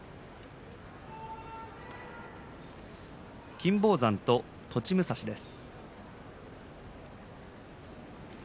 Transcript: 金峰山と栃武蔵です。